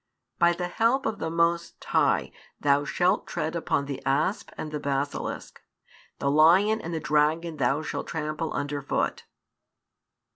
By the help of the Most High thou shalt tread upon the asp and basilisk; the lion and the dragon thou shalt trample under foot.